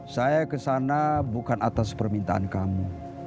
saya ke sana bukan atas permintaan kamu